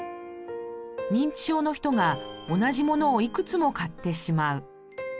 認知症の人が同じ物をいくつも買ってしまう。